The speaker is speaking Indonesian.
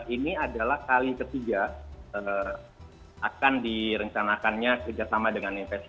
ini adalah kali ketiga akan direncanakannya kerjasama dengan investor